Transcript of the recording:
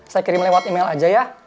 saya kirim lewat email aja ya